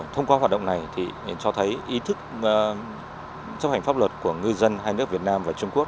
thông qua hoạt động này thì cho thấy ý thức chấp hành pháp luật của ngư dân hai nước việt nam và trung quốc